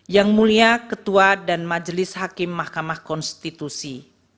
yang mulia ketua dan majelis hakim mahkamah konstitusi